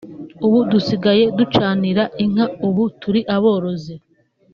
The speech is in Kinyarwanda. ubu dusigaye ducanira inka ubu turi aborozi